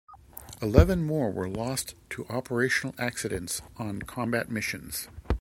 Eleven more were lost to operational accidents on combat missions.